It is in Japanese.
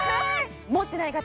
持ってない方